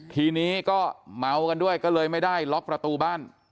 ทีนี้ก็เมากันด้วยก็เลยไม่ได้ล็อกประตูบ้าน